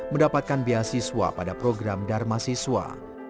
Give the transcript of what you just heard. mendapatkan beasiswa pada program dharma siswa